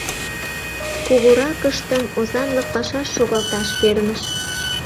Кугуракыштым озанлык пашаш шогалташ перныш.